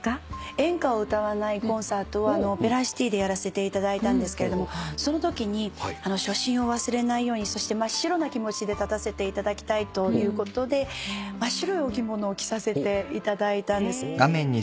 演歌を歌わないコンサートをオペラシティでやらせていただいたんですけどそのときに初心を忘れないようにそして真っ白な気持ちで立たせていただきたいということで真っ白いお着物を着させていただいたんです。